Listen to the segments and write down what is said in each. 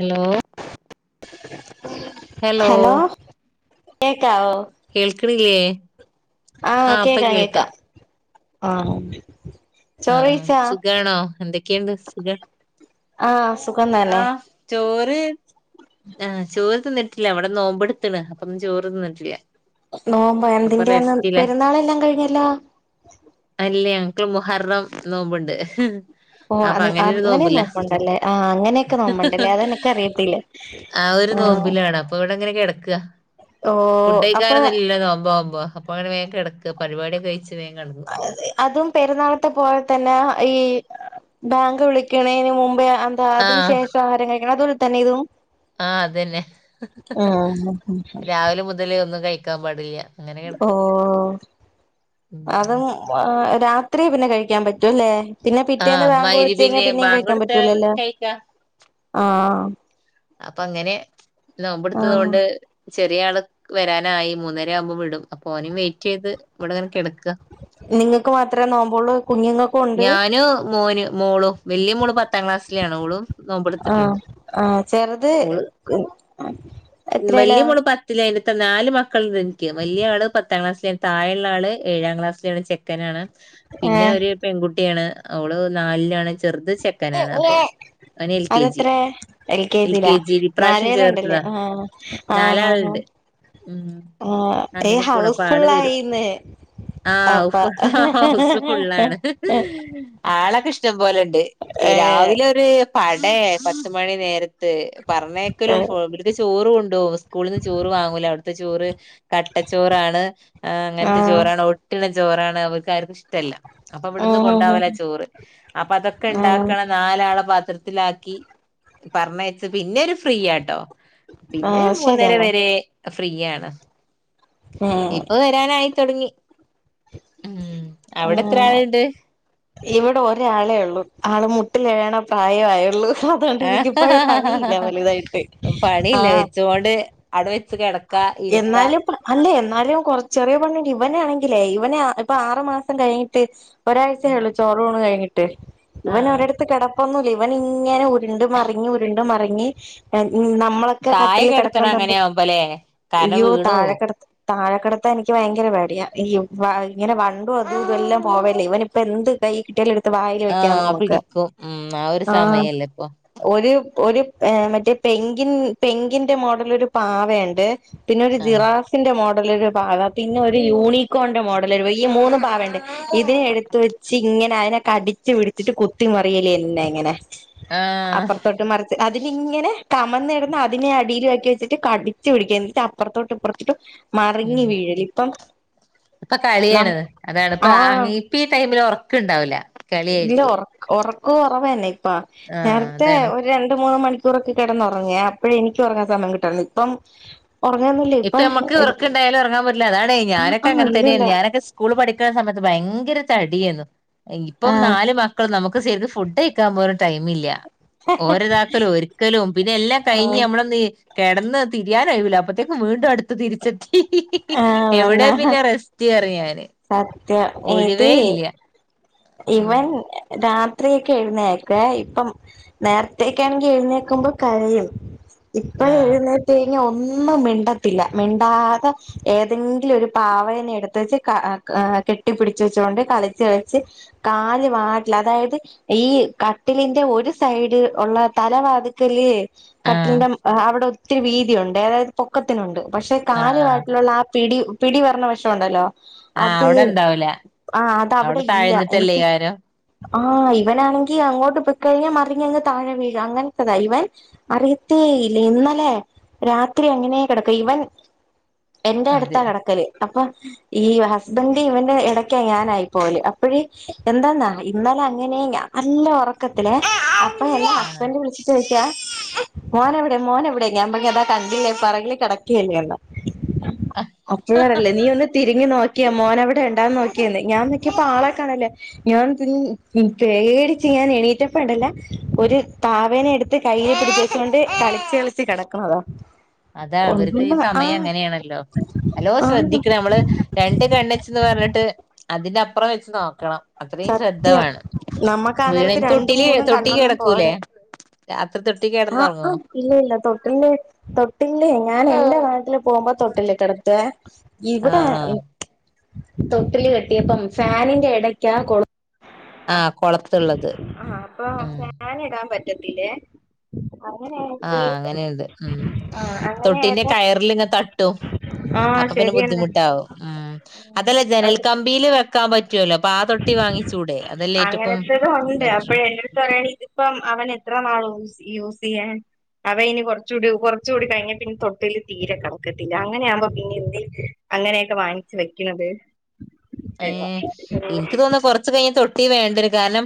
Hello hello കേക്കാവോ കേൾക്ണില്ലേ ആഹ് കേക്കാം കേക്കാം ആഹ് ചോറെയ്ച്ചാ സുഖണോ എന്തൊക്കെയുണ്ട് സുഖ ആഹ് സുഖം തന്നെ ആഹ് ചോറ് ആഹ് ചോറ്തിന്നിട്ടില്ല ഇവടെ നോമ്പെടുത്തണ് അപ്പൊന്ന് ചോറ് തിന്നിട്ടില്ല നോമ്പോ അപ്പൊ എന്തിന്റെന്ന് റെസ്റ്റിലാ പെരുന്നാളല്ലാം കഴിഞ്ഞല്ലോ അല്ലേ ഞങ്ങക്ക് മുഹർറം നോമ്പ്ണ്ട് ഓ അ അങ്ങനെ നോമ്പ്ണ്ടല്ലേ ആഹ് അങ്ങനെയൊക്കെ നോമ്പ്ണ്ടല്ലേ അതെനക്കറിയത്തില്ല ആഹ് ഒരു നോമ്പിലാണ് അപ്പൊ ഇവിടെ എങ്ങനെ കിടക്കുക ഓഹ് അപ്പൊ ഫുഡഴിക്കാരൊന്നുല്ല നോമ്പാവുംമ്പോ അപ്പൊ അങ്ങനെ വേം കെടക്കും പരിപാടിക്കെ കഴിച്ച് വേം കെട അതും പെരുന്നാളത്തെ പോലെ തന്നെ ഈ ബാങ്ക് വിളിക്കണേന് മുമ്പേ ആഹ് ആ അതിന് ശേഷം ആഹാരം കഴിക്കണം അതുപോലെ തന്നെ ഇതും ആഹ് അതന്നെ രാവിലെ മുതലേ ഒന്നും കഴിക്കാൻ പാടില്ല അങ്ങനെ ഓ കിടക്ക ഉം അതും വാ രാത്രി പിന്നെ കഴിക്കാൻ പറ്റുവല്ലേ പിന്നെ പിറ്റേന്ന് ആഹ് വാങ്ക് വിളിച്ചു കഴിഞ്ഞ മഗ്‌രിബിന്റെ പിന്നേം കഴിക്കാൻ ബാങ്കൊടുത്ത പറ്റൂലല്ലോ കഴിക്കാ ആഹ് അപ്പൊ അങ്ങനെ ആഹ് നോമ്പെടുത്തതോണ്ട് ചെറിയ ആൾ വരാനായി മൂന്നര ആവുമ്പോ വിടും അപ്പൊ ഓനെ വെയിറ്റ് ചെയ്ത് ഇവിടെ ഇങ്ങനെ കിടക്ക നിങ്ങക്ക് മാത്രമേ നോമ്പ് ഒള്ളൂ കുഞ്ഞുങ്ങ- ഞാന് മോന് മോളു വല്യ മോള് പത്താം ക്ലാസ്സിലാണ് ഓളും ആഹ് നോമ്പെടുത്തിട്ടുണ്ട് ആഹ് ചെറുത് ഓള് ഉം എത്രേലാ വല്യ മോള് പ- ത്തിലാണ് നാല് മക്കളുണ്ട് വലിയ ആള് പത്താം ക്ലാസ്സില താഴെയുള്ള ആള് ഏഴാം ക്ലാസ്സില ചെക്കനാണ് പിന്നെ ഏഹ് ഒരു പെൺകുട്ടിയാണ് അവള് നാലിലാണ് ചെറുത് ചെക്കനാണ് അപ്പോ അവന് എൽ കെ ജിയ അതെത്രേ എൽ കെ ജിലാ ജിൽ ഈ പ്രാവശ്യം നാലേ രണ്ടില് ചേർത്തതാ ആഹ് ആഹ് ആഹ് നാലാളണ്ട് ഉം ആഹ് ഏഹ് ഹൗസ് അപ്പൊ ആള് ഫുള്ള് വരും ആയിന്നേ ആഹ് ഹൗസ് ഫുള്ളാണ് ആളൊക്കെ ഇഷ്ടം പോലെ ഇണ്ട് ഇ ഏഹ് രാവിലെ ഒരു പടയ പത്ത് മണി നേരത്ത് പറഞ്ഞേക്കലും ഏഹ് ഫോൺ വിളി ചോറ് കൊണ്ടോ സ്കൂളിൽ നിന്ന് ചോറ് വാങ്ങൂല അവിടുത്തെ ചോറ് കട്ടച്ചോറാണ് അങ്ങനത്തെ ആഹ് ചോറാണ് ഒട്ടണ ചോറാണ് അവർക്ക് ആർക്കും ഇഷ്ടമല്ല അപ്പ ഇവിടുന്ന് ആഹ് കൊണ്ടാവല ചോറ് അപ്പൊ അതൊക്കെ ആഹ് ഇണ്ടാക്കണ നാല് ആളെ പാത്രത്തില- പറഞ്ഞയച്ച പിന്നെ ഒരു ഫ്രീയാട്ടോ പിന്നെരു ആഹ് മൂന്നര ശരിയെന്നെ വരെ ഫ്രീയാണ് ഉം ഇപ്പൊ വരാനായി തുടങ്ങി ആഹ് ഇവിടെ ഒരാളെ ഉള്ളു ആള് മുട്ടില് എഴയണ പ്രായആയുള്ളൂ ആഹ് പണിയില്ല ആഹ് വെച്ചൊണ്ട് അട വെച്ച് കിട ക്ക ഇരുത്ത എന്നാലും അല്ല എന്നാലും കൊറച്ചെറിയ പണി ഇവന ആണെങ്കിലേ ഇവനെ ഇപ്പൊ ആറു മാസം കഴിഞ്ഞിട്ട് ഒരാഴ്ച ആയി ഉള്ളൂ ചോറൂണ് കഴിഞ്ഞിട്ട് ഇവന് ആഹ് ഒരടുത്ത് കെട- പ്പൊന്നുല്ല ഇവനിങ്ങനെ ഉരുണ്ടു മറിഞ്ഞു ഉരുണ്ടു മറിഞ്ഞ് നമ്മ നമ്മളൊക്കെ താഴെ കട്ടില് കിടത്തണം കിടക്കണ്ട അങ്ങനെ ആവുമ്പോല്ലേ കാരണം അയ്യോ വീണു താഴെ പോവും കിടത്ത് താഴെക്കെടത്തൻ എനിക്ക് ഭയങ്കര പേടിയ ഇങ്ങനെ വണ്ടും അതും ഇതെല്ലാം പോവേല്ലേ ഇവനി ഇപ്പ എന്ത് കൈ കിയാലും ഒരു ത് വായല് വെക്കാ ആഹ് നോക്കാ പിടിക്കും ഉം ആ ഒരു ആഹ് സമയല്ലേ ഇപ്പൊ ഒരു ഒരു മറ്റേ പെങ്കിൻ പെങ്കിന്റെ മോഡല് ഒരു പാവയുണ്ട് പിന്നെ ഒരു ആഹ് ജിറാഫിന്റെ മോഡല് ഒരു പാവ പിന്നെ ഒരു യൂണികൊൺണ്ട ഈ മൂന്ന് പാവണ്ട് ഇതിനെ എടുത്ത് വെച്ച് ഇങ്ങനെ അതിനെ കടിച്ചു പിടിച്ചിട്ട് കുത്തി മറിയലേന്നെ ഇങ്ങനെ ആഹ് അപ്പുറത്തോട്ട് മറി- അതിനിങ്ങനെ കമന്ന് കിടന്ന് അതിനെ അടിയില ആക്കി വെച്ചിട്ട് കടിച്ച് പിടിക്ക എന്നിട്ട് അപ്പുറത്തോട്ട് ഇപ്പറത്തോട്ട് മറിഞ്ഞ ഉം വീഴൽ ഇപ്പം ഇപ്പൊ നം കളിയാണ് അതാണ് ഇപ്പ ആഹ് ഇപ്പ ഈ ടൈമില് ഉറക്കം ഇണ്ടാവൂല്ല ഇതിന് ഉറക്ക കൊറവ തന്നെ ഇപ്പ ആഹ് നേരത്തെ അതാണ് ഒരു ര രണ്ട് മൂന്ന് മണിക്കൂറൊക്കെ കിടന്ന് ഉറങ്ങും അപ്പോഴ എനിക്ക് ഉറങ്ങൻ സമയം കിട്ടുള്ളു ഇപ്പം ഉറങ്ങുന്നില്ല ഇപ്പൊ ഞമ്മക്ക് ഉറക്കണ്ടായാലും ഉറങ്ങാൻ പറ്റില്ല അതാണേയ് ആഹ് ഞാനൊക്കെങ്ങനെ ഇല്ലില്ല തന്നെയാണ് ഞാനൊക്കെ സ്കൂൾ പഠിക്കുന്ന സമയത്ത് ഭയങ്കര തടിയേന് ഇപ്പം ആഹ് നാല് മക്കൾ നമുക്ക് സെരിക്ക് ഫുഡ് കഴി ക്കാൻ പോലും ടൈമില്ല ഓരതാക്കലും ഒരിക്കലും പിന്നെ എല്ലാം കഴിഞ്ഞ് നമ്മളന്ന് ഇ- കിടന്ന് തിരിയാനൊയിവില്ല അപ്പത്തേക്ക് വീണ്ടും അടുത്ത് തിരിച്ചെത്തി ആഹ് എവിടെ തന്നെ പിന്നെ റെസ് റ്റ് റിയു ഞാന് സത്യം ഇത് ഒഴിവേ ഇല്ല ഉം ഇവൻ രാത്രിയെക്കെ എഴുന്നേക്കുവേ ഇപ്പം നേരത്തേയെക്കാണെങ്കി എഴുന്നേക്കുമ്പോ കരയും ഇപ്പോ ആഹ് എഴുന്നേ ഒന്നും മിണ്ടത്തില്ല മിണ്ടാതെ ഏതെങ്കിലും ഒരു പാവേനെ എടുത്ത് വെച്ച് ക കെട്ടിപ്പിടിച്ച് വെച്ചുകൊണ്ട് കളിച്ച് കളിച്ച് കാല് വാട്ടിൽ അതായത് ഈ കട്ടിലിന്റെ ഒരു സൈഡ് ഉള്ള തലവാതുക്കല് ആഹ് കട്ടിലിന്റെ അവിടെ ഒത്തിരി വീതിയൊണ്ടേ അതായത് പൊക്കത്തിനുണ്ട് പക്ഷേ ആഹ് കാലു ആഹ് ഭാഗത്തിലുള്ള ആ പിടി പിടി വരണ വശമൊണ്ടല്ലോ ആഹ് അത് അവിടെ ഇണ്ടാവൂല ആഹ് അതവിടെ അവിടെ ഇല്ല താഴ്ന്നിട്ടല്ലേ എനിക്ക് കാരം ആഹ് ഇവനാണെങ്കി അങ്ങോട്ട് പൊക്കഴിഞ്ഞ മറിഞ്ഞങ്ങ് താഴെ വീഴും അങ്ങനത്തെതാ ഇവൻ അറിയത്തേ ഇല്ല ഇന്നലെ രാത്രി അങ്ങനെ കിടക്കും ഇവൻ എന്റെ അടുത്താ അതെ കിടക്കല് അപ്പോം ഈ ഹസ്ബൻഡ്‌ ഇവന്റെ ഇടയ്ക്ക് ഞാനായി പോലെ അപ്പഴെ എന്താന്നാ ഇന്നലെ അങ്ങനെയേ ഞാ നല്ല ഉറക്കത്തില് അപ്പോ എന്റെ ആഹ് ഹസ്ബൻഡ് വിളിച്ച് ചോദിക്കാ മോൻ എവിടെ മോൻ എവിടെയാ ഞാൻ പറഞ്ഞ് അതാ കണ്ടില്ലേ പൊറകില് കിടക്കല്ലേന്ന് അപ്പഴാണല്ലേ നീ ഒന്ന് തിരിഞ്ഞ് നോക്കിയേ മോൻ അവിടെ ഉണ്ടോ ന്ന് നോക്കിയേന്ന് ഞാൻ നോക്കിയിപ്പോ ആളെക്കാണനില്ല ഞാൻ പിൻ പേടിച്ച് ഞാൻ എണീറ്റപ്പോ ഉണ്ടല്ലോ ഒരു പാവേനെ എടു ത്ത് കയ്യെ പിടിച്ചുവെച്ചു കൊണ്ട് കളിച്ച് കളിച്ച് കിടക്കുന്നതാ അതാ അവർക്ക് ഈ സമയം അങ്ങനെയാണല്ലോ നല്ലോ ആന്ന് ശ്രദ്ധിക്കണം നമ്മള് രണ്ട് കണ്ണുവെച്ചന്ന് പറഞ്ഞിട്ട് അതിന്റെ അപ്പുറം വെച്ച് നോക്കണം അത്രയും ശ്രദ്ധ സത്യം വേണം നമ്മക്ക് ആ നേരത്ത് വേണേല് രണ്ടും തൊട്ടില് മൂന്നും തൊട്ടി കണ്ണൊന്നും കിടക്കൂലേ പോരാ രാത്രി തൊട്ടി ആ ആ കിടന്നുറങ്ങുവോ ഇല്ല ഇല്ല തൊട്ടിലില് തൊട്ടിലിലെ ഞാൻ എന്റെ പ്രായത്തില് പോകുമ്പോ തൊട്ടിലിൽ കിടത്തുവേ ഇവിടെ ആഹ് തൊട്ടില് കെട്ടിയപ്പം ഫാനിന്റെ ഇടക്കാ കൊളു ആഹ് കൊളുത്തുള്ളത് അപ്പോ ഫാൻ ഇടാൻ പറ്റത്തില്ലേ അങ്ങനെയായി ആഹ് അങ്ങനെയുണ്ട് ഉം അങ്ങനെ തൊട്ടിന്റെ ആയപ്പോ കയറിലിങ്ങ് തട്ടും ആ അപ്പോ പിന്നെ ശരിയെന്നെ ബുദ്ധിമുട്ടാവും ഉം അതല്ല ജനൽ അത് കമ്പിയില് വെ ക്കാൻ പറ്റുവല്ലോ അപ്പോ ആ തൊട്ടി വാങ്ങിച്ചൂടെ അതെല്ലേ ഏറ്റക്കും ബെറ്ററ് നേരത്തെ അറിയാങ്കിൽ ഇത് ഇപ്പം അവൻ എത്ര നാള് യൂസ് യൂസ് ചെയ്യാൻ അവയിനി കുറച്ച് കൂടി കുറച്ച് കൂടി കഴിഞ്ഞ പിന്നെ തൊട്ടില് തീരെ കേടക്കത്തില്ല അങ്ങനെയാകുമ്പോ പിന്നെ എന്തിനാ അങ്ങനെയെക്കെ വാങ്ങിച്ച് വെക്കണത് ഏഹ് [unintelligible] എനിക്ക് തോന്നുന്നു കൊറച്ചു കഴിഞ്ഞ് തൊട്ടി വേണ്ടി വരും കാരണം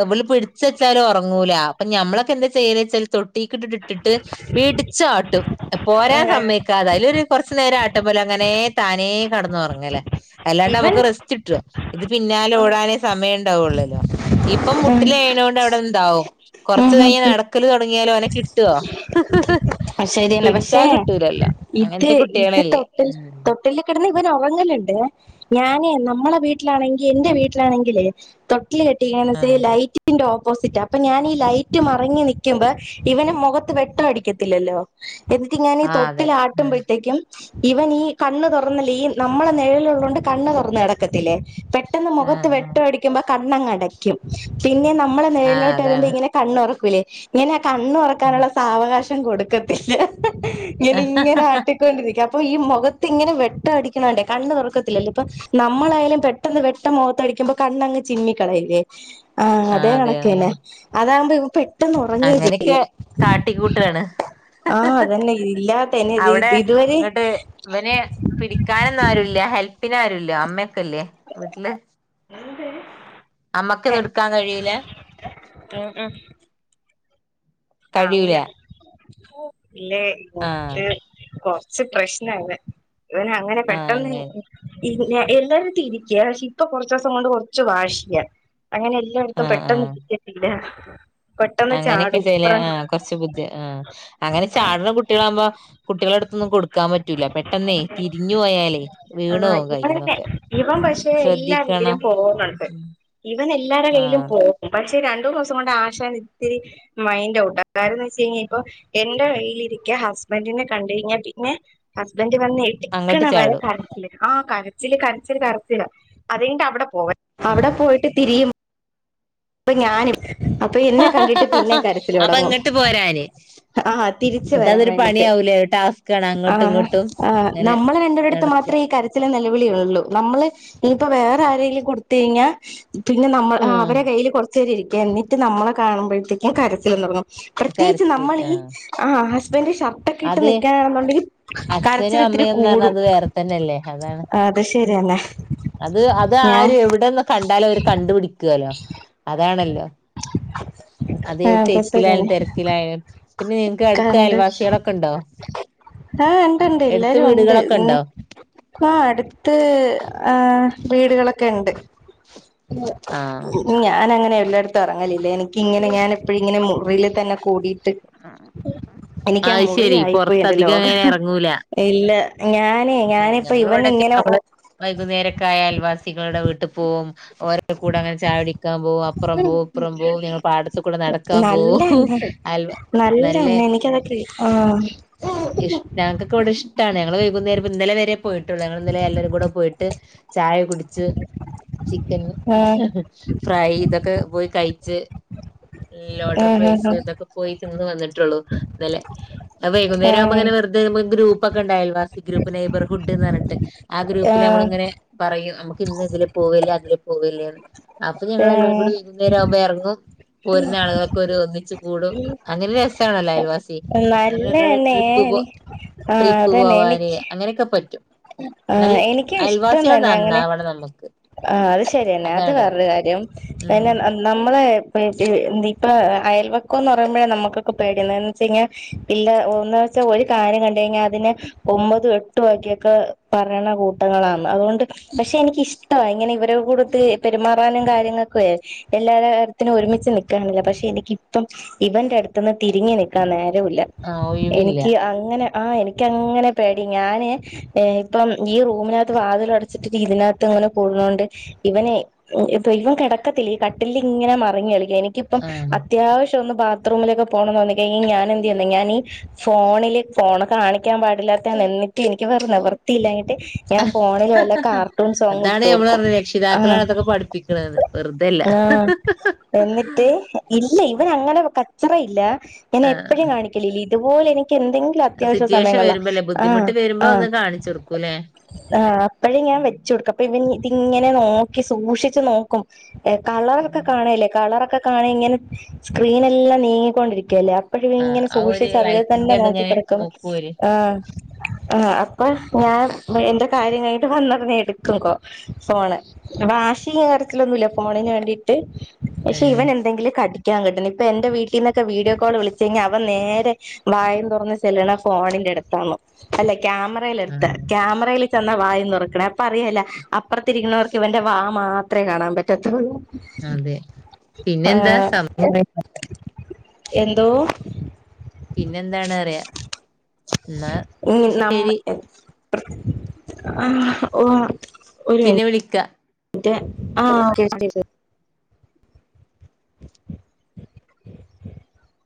നമ്മള് പിടിച്ച് വെച്ചാലും ഉറങ്ങൂല അപ്പോ ഞമ്മളൊക്കെ എന്താ ചെയ്തെവെച്ചാല് തൊട്ടിയെക്കങ്ങ് ഇട്ടിട്ട് പിടിച്ചാട്ടും പോരാൻ സമ്മതി ക്കാതെ അതില് ഒരു കൊറച്ചു നേരം ആട്ടും പോലെ അങ്ങനെ താനേ കിടന്നുറങ്ങല് അല്ലാണ്ട് ഇവൻ നമ്മക്ക് റെ ഇട്ടോ ഇത് പിന്നാല ഓടാനേ സമയം ഉണ്ടാവുള്ളല്ലോ ഇപ്പം മുട്ടിലെഴയണ കൊണ്ട് ഉണ്ടാവും കൊറച്ച് ആ കഴിഞ്ഞാ ആ നടക്കല് തുടങ്ങിയാലോ അവനെ കിട്ടുവോ ശരിയന്നെ പിടിച്ചാ പക്ഷേ കിട്ടൂലല്ലോ ഇത് അങ്ങനത്തെ ഇത് കുട്ടികളല്ലേ തൊട്ടിൽ ഉം തൊട്ടിലില് കിടന്ന് ഇവൻ ഉറങ്ങലുണ്ട് ഞാനേ നമ്മളെ വീട്ടിലാണെങ്കിൽ എന്റെ വീട്ടിലാണെങ്കിലെ തൊ ട്ടില് കെട്ടിയേക്കണേ ആഹ് ലൈറ്റിന്റെ ഓപ്പോസിറ്റാ അപ്പോ ഞാൻ ഇ ലൈറ്റ് മറഞ്ഞ് നിക്കുമ്പോ ഇവന് മുഖത്ത് വെട്ടം അടിക്കത്തില്ലല്ലോ എന്നിട്ട് ഞാനീ ആഹ് അതെ ഉം തൊട്ടിലാട്ടുമ്പോഴത്തേക്കും ഇവൻ ഈ കണ്ണ് തുറന്നല്ലേ ഈ നമ്മളെ നിഴലുള്ളൊണ്ട് കണ്ണ് തുറന്ന് കിടക്കത്തിലേ പെ പെട്ടെന്ന് ആഹ് മുഖത്ത് ആഹ് വെട്ടടിക്കുമ്പോൾ കണ്ണ് അങ്ങ് അടക്കും പിന്നെ നമ്മള് ആഹ് നിഴലിലോട്ട് വരുമ്പോ അതാണ് ഇങ്ങനെ കണ്ണ് തുറക്കൂലേ ഇങ്ങനെ കണ്ണുതു ഉം റക്കാനുള്ള സാവകാശം കൊടുക്കത്തില്ല [unintelligible] ഇങ്ങനെ ആട്ടി ആട്ടിക്കൊണ്ടിരിക്കും അപ്പൊ ഈ മുഖത്ത് ഇങ്ങനെ വെട്ടടിക്കണണ്ടേ കണ്ണ്തുറക്കത്തില്ലോ ഇപ്പൊ നമ്മളായാലും പെ പെട്ടെന്ന് വെട്ടം മുഖത്തടിക്കുമ്പോ കണ്ണങ് ചിമ്മിക്കളയില്ലേ ആഹ ആഹ് അതെ ഉം കണക്കന്നെ അതാകുമ്പ പെ ട്ടെന്ന്റങ്ങുകേ അങ്ങനെയൊക്കെ ചെയ്യും കാട്ടിക്കൂട്ടാണ് ആഹ അതന്നെ ഇല്ലാത്തെന്നെ ഇ ഇതുവരെ ഇവനെ പിടിക്കാനന്നാരുല്ല ഹെല്പ്പിനാരുല്ല അമ്മക്കല്ലേ വീട്ടില് എന്ത്? അമ്മക്ക്ത്ട്ക്കാൻ കഴിയില ഉം ഉം ആവൂല ഇല്ല് ആഹ് മുട്ട് കൊളസ് ച്ച് പ്രശ്നണ്ട്. ഇവനങ്ങനെ ആഹ് പെട്ടെന്ന് അങ്ങനെ ഇല്ല എല്ലാരരു തിരിക്ക പക്ഷെ ഇപ്പൊ കൊറച്ചോസം കൊണ്ട് കുറച്ച് വാഷിയാ അങ്ങനെ എല്ലായിടത്തും ആഹ് പെട്ടെന്ന് ആഹ് ഇിരിക്കത്തില്ല. പെട്ടെന്ന് ചാടും ലെ ഇപ്പറ ആ കൊറുച്ച് ബുദ്ധി ആ അങ്ങനെ ചാടുന്ന കുട്ടികളാവകുമ്പോ കുട്ടികള്ടെ ടുത്തൊന്നും കൊടുക്ക ക്കാ പറ്റൂല പെട്ടെന്നേ യ് തിരിഞ്ഞു പോയാലേയ് ആ വീണോകും ഇവൻ കയ്യിന്നൊക്കെ ശ്രദ്ധിക്കണം പോന്ന്ണ്ട്. ഇവൻ എല്ലാരടെ ആഹ് കയ്യിലും അതെ പോകും. പക്ഷേ രണ്ടൂന്ന് ദിവസം കൊണ്ട് ആശാൻ ഇത്തിരി മൈൻഔട്ട കാരംന്ന് വെച്ച് കഴിഞ്ഞ ഇപ്പോ എന്റെ കയ്യിലിരിക്ക ഹസ്ബൻന്റിനെ കണ്ട് കഴിഞ്ഞാ പിന്നെ ഹസ്ബന്റ് വന്നെ ട് ക്കണ അങ്ങട്ട് വരെ ചാടും കരച്ചില് ആ കരച്ചില് കരച്ചില് കരച്ചില് അതിന്റവിടെ പോക ആഹ് അവിടെ പോയിട്ട് തിരിയും പ്പൊ ഞാനും അപ്പൊ എന്നെ കണ്ടിട്ട് പിന്നെ കരച്ചിൽ അപ്പൊ തുടങ്ങും ഇങ്ങട്ട് പോരാന് ആഹ തിരിച്ച് വരാൻ ഇതതൊരു വേണ്ടീട്ട് പണിയാവൂലേ ടാസ്കാണ് ആഹ അങ്ങോട്ടും ഹ ഇങ്ങോട്ടും ആ ഇങ്ങനെ നമ്മള രണ്ടൂര ടുത്ത് മാത് നടക്ക ത്രെ ഈ കരച്ചിലും നിലവിളിയുള്ളൂ. നമ്മള് ഇയിപ്പ വേറെ ആരെങ്കിലും കൊടുത്ത കഴിഞ്ഞാൽ പിന്നെ നമ്മൾ ഉം അവടെ കയ്യിൽ കുറച്ചുര് ഇരിക്കുക എന്നിട്ട് നമ്മളെ കാണുമ്പോഴത്തേക്കും കരചില പ്രത്യേകിച്ച് കരച്ചിൽ നമ്മളിൽ ആഹ് ആ ഹസ്ബന്റ് ഷർ ട്ടക്കെ ഇട്ട് അത് നിക്കാനാണെന്നുണ്ടെങ്കിൽ അച്ഛനും കരച്ചില് ത്തിരി അമ്മയുംന്ന് പറഞ്ഞാ കൂടും അത് വേറെ തന്നെയല്ലേ അതാണ് അത് ഉം ശരിയന്നെ അത് അത് ആര് എവിടെന്ന് കണ്ടാലും അവര് കണ്ടുപിടിക്കല്ലോ അതാണല്ലോ അതെത് ആഹ് അത് തെക്കിലായാലും ശരിയെന്നെ തിരക്കിലായാലും പിന്നെ നിങ്ക്ക് അടുത്ത അയൽവാസ്യാളൊക്ക ഹാ ഹ് ഇണ്ട് ണ്ട് എടുത്ത എല്ലാരും ഉണ്ട് വീടുകളൊക്കെ ഇന്ന് ഉണ്ടോ ആ അടുത്ത്.. ആ വീടുകളൊക്കെയെണ്ട് ആഹ് ഞാനങ്ങനെ നെ എല്ലായിടത്തുറങ്ങലില്ല. എനിക്കി ങ്ങനെ ഞാനെപ്പഴും ഇങ്ങനെമുറിൽ തന്നെ കൂടി ട്ട് എനിക്കാ അത് ശെരി മുറിയായിപ്പോയി പൊറത്ത് എന്റെ അധികം ലോകം അങ്ങനെ എറങ്ങൂല ഇല്ല ഞാനേ ഞാനിപ്പോ ഇവന്നി ഞമ്മളിവിടൊക്കെ ങ്ങനെഉ നമ്മള് വൈകുന്നേരക്കായ അൽവാസികളുടെ വീട്ടിൽ പോവും ഓരോ കൂടെ അങ്ങനെ ചായടിക്കാൻ പോകും അപ്പറം പോവും അപ്പുറം പോവും ഞങ്ങ പാടത്തു കൂടെ നടക്കാൻ പോവും അയൽ നല്ലതന്നെ എനിക്ക [unintelligible] ആ ഇഷ് ഞങ്ങൾക്കൊക്കെ വിടെ ഇഷ്ടാണ് ഞങ്ങള് വൈകുന്നേരം ഇന്നലെ വരെ പോയിട്ടുള്ളൂ ഞങ്ങളിന്നലെ എല്ലരും കൂടെ പോയിട്ട് ചായ കുടിച്ച് ചിക്കന്ഹ ആഹ് ഹ ഫ്രൈ ഇതൊക്കെ പോയി കഴച്ച് ലോഡർ ആഹ് ഫ്രൈസ് ഇതൊക്കെ പോയി തിന്ന് വന്നിട്ടുള്ളൂ ഇന്നലെആ വൈകുന്നേരം ആകുമ്പങ്ങെ ആഹ് നെ വെറുതെ ഗ്രൂപ്പൊക്കെണ്ട് അയൽവാസി നൈബർഹുഡ് എന്ന് പറഞ്ഞിട്ട് ആ ആഹ് ഗ്രൂപ്പില് ആഹ് നമ്മളിങ്ങനെ പറയും നമുക്ക് ഇന്ന് ഇതിലെ പോവല്ലേ അതിലെ പോവല്ലേന്ന് അപ്പൊ ഞങ്ങെല്ലരും ആഹ് കൂടി വൈകുന്നേരാ കുമ്പോ ഇറങ്ങും പോരുന്ന ആളുകൾക്ക ഒരു ഒന്നിച്ചു കൂടും അങ്ങനെ രസാണല്ലോ അയൽവാസി നല്ല അങ്ങ എന്നെ ട്രിപ്പ് പോ എനി ആഹ് ട്രിപ്പ് അതന്നെ പോവാന് എനിക്ക് അങ്ങനൊ ക്കെ പറ്റും ആഹ് നല്ല എനിക്കും ഇഷ്ടം അയൽവാസികൾ തന്നെ അങ്ങനെ നന്നാവണം നമുക്ക് ആഹ് അത് ശരിയന്നെ അത് അതാണ് വേറൊരു കാര്യം ഉം പിന്നെ നൻ നമ്മള് [unintelligible] ഇപ്പ അയൽവക്കോ എന്ന് പറയുമ്പോഴാ നമ്മുക്കൊക്കെ പേടിയാ എന്ന് ച്ച് ന്നന്ന് വെച്ച് കഴിഞ്ഞാൽ പില്ല ഒന്ന് വെച്ച ഒരു കാര്യം കണ്ട്കഴിഞ്ഞാ അതിനെ. ഹും ഒമ്പതു എട്ടും ആകിയൊകെ പറയ്ണ കൂട്ടങ്ങളാണ് അതുകൊണ്ട് പക്ഷെ എനിക്കിഷ്ട. ട്ടോ ഇങ്ങനെ ഇവരുടെ കൂടൊത്ത് പെരുമാറാനും കാര്യങ്ങളൊക്കെ. എല്ലാത്തിനും ഒരുമിച്ച് നിക്കണില്ല പക്ഷെ എനിക്കിപ്പം. ഇവന്റെ അടുത്തുന്ന് തിരിഞ്ഞിനിക്കാൻ നേരവില്ല ആ ഒഴിവില്ല എനിക്ക് അങ്ങനെ ആ എനിക്ക്. അങ്ങനെ പേടി ഞാന് ഇപ്പം ഈ റൂമിനകത്ത് വാതില അടച്ചിട്ടി ഇതിനകത്ത് അങ്ങനെ. കൂടണ്ട് ഇവനെ ഇവൻ കിടക്കത്തില്ല ഈ കട്ടിൽ ഇങ്ങനെ മറഞ്ഞ് കളിക. ഇപ്പം ആഹ് അത്യാവശ്യം ഒന്ന് ബാത്റൂമിലൊക്കെ പോണന്ന് ക്കഴിഞ്ഞ ഞാൻ എന്ത് ചെയ്യുന്നോ ഞാനീ ഫോണില് ഫോണ് കാണിക്കാൻ പാടില്ലാത്ത ആണ് എന്നിട്ട് എനിക്ക് വേറ നിവൃത്തിയില്ലായിട്ട്. ഞാൻ ഫോണില് വല്ല കാർട്ടൂൺ സോങ് അതാണ് ഇട്ട് നമ്മള് കൊടുക്കും പറഞ്ഞത് ആ രക്ഷിതാക്കളാണ് ഇതൊക്കെ പഠിപ്പിക്കണത് വെറുതെയല്ല ആഹ എന്നിട്ട്. ഇല്ല ഇവൻ അങ്ങനെ കച്ചറ ഇല്ല ഞാൻ എപ്പോഴും ആഹ് കാണിക്കുല ഇതുപോലെ എനിക്ക് എന്തെ അത്യാവശ്യ സിറ്റുവേഷൻ സമയങ്ങളിലാ വരുമ്പോല്ലേ ആഹ ബുദ്ധിമുട്ട് വരുമ്പോ ആഹ ഒന്ന് കാണിച്ചു കൊടുക്കൂല്ലേ ആ് അപ്പഴും ഞാൻ വെച്ച് കൊടുക്കും അപ്പൊ ഇവന് ഇതിങ്ങനെ നോക്കി സൂക്ഷിച്ചു നോക്കും. കളറൊക്കെ കാണല്ലേ കളറൊക്കെ. ണ ഇങ്ങനെ സ്ക്രീനെല്ലാം നീങ്ങിക്കൊണ്ടിരിക്കുവല്ലേ? അപ്പോഴും ആഹ് ഇങ്ങനെ ആ ഒരു സൂക്ഷിച്ച് അതിൽ തന്നെ ലൈറ്റിന്റെ അതിങ്ങനെ നോക്കിക്കിടക്കും നോക്കും ഓര് ആ ആ അപ്പൊ ഞാൻ എന്റെ കാര്യകയിഞ്ഞിട്ട് വന്നതിനെ എടുക്കും. കും കോ ഫോണ് അപ്പ വാശി കരച്ചിലൊന്നുല്ല ഫോണിന് വേണ്ടിട്ട്. പക്ഷെ ഏഹ് ഇവൻ എന്തെങ്കിലും കടിക്കാൻ കിട്ടണം ഇപ്പൊ എന്റെ വീട്ടിൽ നിന്നൊക്കെ വീഡിയോ കോൾ വിളിച്ചു കഴിഞ്ഞാ അവൻ നേരെ വായും തുറന്ന് ചെലണ ഫോണിന്റെ അടുത്താണ് അല്ല ക്യാമറ എടുത്ത്, ആഹ് ക്യാമറയിൽ ചെന്ന വായഒന്ന് തൊറക്കണേ പറയലോ അപ്പുറത്തിരിക്കുന്നവർക്ക് ഇവന്റെ വാ മാത്രമേ കാണാൻ പറ്റത്തുള്ളൂ. അതെ പിന്നെ എന്താ? ആഹ് [unintelligible] എന്തോ? പിന്നെന്താണ് പറയ? എന്നാ നമ്മ ശരി. ആഹ് ഓഹ് പിന്നെ വിളിക്കാ [unintelligible] ആഹ് ഓകെ ശരി ശരി [inaudible]